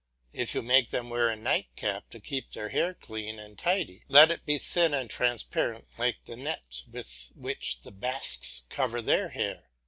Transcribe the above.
If you make them wear a night cap to keep their hair clean and tidy, let it be thin and transparent like the nets with which the Basques cover their hair.